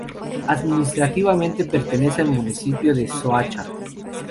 Administrativamente pertenece al municipio de Soacha.